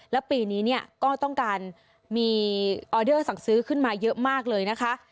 แล้วปีนี้เนี่ยก็ต้องการมีออเดอร์สั่งซื้อขึ้นมาเยอะมากเลยนะคะ